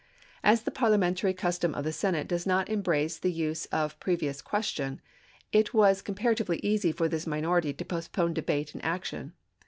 As the parliamentary custom of the Senate does not em brace the use of the previous question, it was com paratively easy for this minority to postpone debate and action.